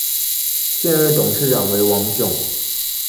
现任董事长为王炯。